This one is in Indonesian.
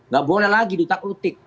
gak boleh lagi ditakrutik